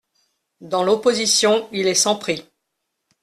Dans l'opposition, il est sans prix.